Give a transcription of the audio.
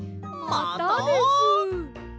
またです。